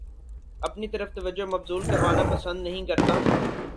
اپنی طرف توجہ مبذول کروانا پسند نہیں کرتا